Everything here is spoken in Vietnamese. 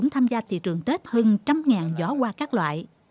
tham gia thị trường tết hơn trăm giỏ hoa các loại